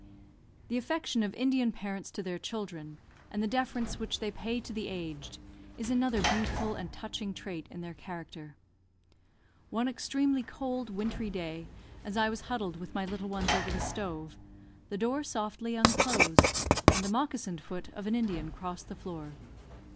The affection of Indian parents to their children, and the deference which they pay to the aged, is another beautiful and touching trait in their character. One extremely cold, wintry day, as I was huddled with my little ones over the stove, the door softly unclosed, and the moccasined foot of an Indian crossed the floor.